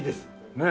ねえ。